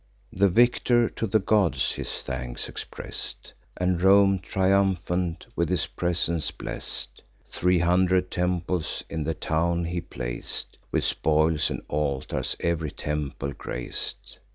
The victor to the gods his thanks express'd, And Rome, triumphant, with his presence bless'd. Three hundred temples in the town he plac'd; With spoils and altars ev'ry temple grac'd.